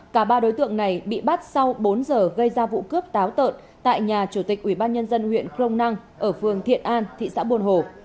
cả ba đối tượng này bị bắt sau bốn giờ gây ra vụ cướp táo tợn tại nhà chủ tịch ubnd huyện crong nang ở phường thiện an thị xã buôn hồ